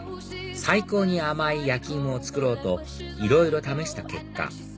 最高に甘い焼き芋を作ろうといろいろ試した結果